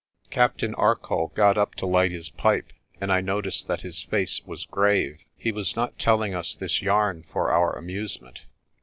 Captain Arcoll got up to light his pipe, and I noticed that his face was grave. He was not telling us this yarn for our amusement.